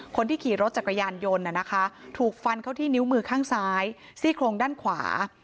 คนที่ขี่รถจักรยานยนต์ถูกฟันเข้าที่นิ้วมือข้างซ้ายซี่โครงด้านขวา